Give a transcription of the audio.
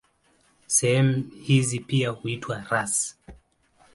Sehemu hizi pia huitwa rasi.